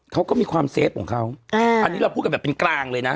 เค้าก็มีความซเพราะเขา